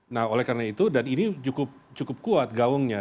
nah oleh karena itu dan ini cukup kuat gaungnya